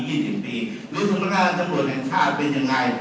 หรือสำนักงานตำรวจแห่งชาติเป็นยังไง